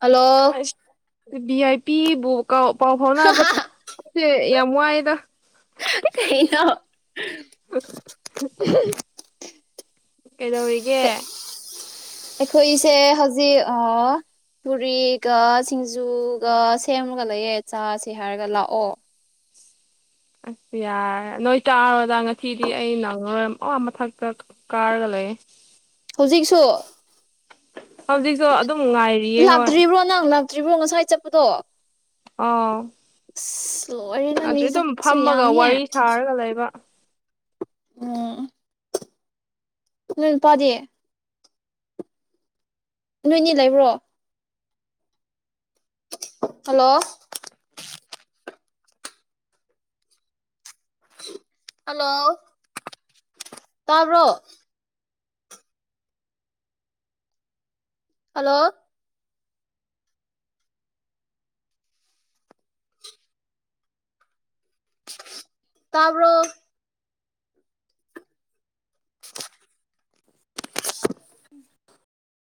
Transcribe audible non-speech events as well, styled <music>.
hello ꯑꯁ ꯚꯤ ꯑꯥꯏ ꯄꯤꯕꯨ ꯄꯥꯎ ꯐꯥꯎꯅꯕꯁꯦ ꯌꯥꯝ ꯋꯥꯏꯑꯦꯗ ꯍꯍ ꯀꯩꯅꯣ ꯀꯩꯗꯧꯔꯤꯒꯦ ꯑꯈꯣꯏꯁꯦ ꯍꯧꯖꯤꯛ ꯑꯥ ꯄꯨꯨꯔꯤꯒ ꯁꯤꯡꯖꯨꯒ ꯁꯦꯝꯃꯒ ꯂꯩꯌꯦ ꯆꯥꯁꯦ ꯍꯥꯏꯔꯒ ꯂꯥꯛꯑꯣ ꯑꯁ ꯌꯥꯔ ꯅꯣꯏ ꯆꯥꯔꯣꯗꯥ ꯉꯥꯁꯤꯗꯤ ꯑꯩ ꯅꯪꯉꯔꯣꯏ ꯑꯣꯝ ꯃꯊꯛꯇ ꯀꯥꯔꯒ ꯂꯩ ꯂꯩꯌꯦ ꯍꯧꯖꯤꯛꯁꯨ ꯍꯧꯖꯤꯛꯁꯨ ꯑꯗꯨꯝ ꯉꯥꯏꯔꯤꯌꯦ ꯍꯣꯏ ꯇ꯭ꯔꯤꯕꯣ ꯉꯁꯥꯏ ꯆꯠꯄꯗꯣ ꯑꯥꯎ ꯑꯁ ꯂꯣꯏꯔꯦ ꯅꯪ ꯃꯤ ꯅꯠꯇ꯭ꯔꯤ ꯑꯗꯨꯝ ꯊꯕꯛꯁꯨ ꯐꯝꯃꯒ ꯌꯥꯝꯃꯦꯍꯦ ꯋꯥꯔꯤ ꯁꯥꯔꯒ ꯂꯩꯕ ꯎꯝ ꯅꯣꯏ ꯅꯨꯄꯥꯗꯤ ꯅꯣꯏꯅꯤ ꯂꯩꯕ꯭ꯔꯣ ꯍꯜꯂꯣ ꯍꯜꯂꯣ ꯇꯥꯕ꯭ꯔꯣ ꯍꯜꯂꯣ ꯇꯥꯕ꯭ꯔꯣ <unintelligible>